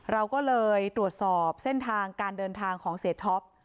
เราก็เลยตรวจสอบเส้นทางการเดินทางของเสียท็อป